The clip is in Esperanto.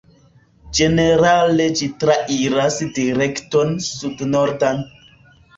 Ĝenerale ĝi trairas direkton Sud-Nordan.